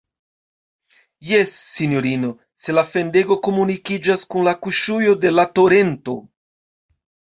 Jes, sinjorino, se la fendego komunikiĝas kun la kuŝujo de la torento.